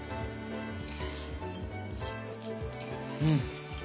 うん。